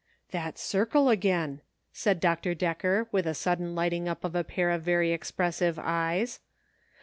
"That circle again," said Dr. Decker, with a sudden lighting up of a pair of very expressive eyes.